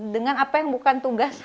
dengan apa yang bukan tugas